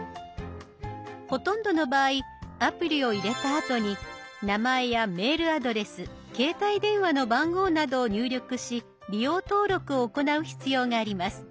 ほとんどの場合アプリを入れたあとに名前やメールアドレス携帯電話の番号などを入力し利用登録を行う必要があります。